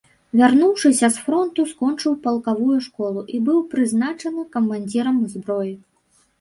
Вярнуўшыся з фронту, скончыў палкавую школу і быў прызначаны камандзірам зброі.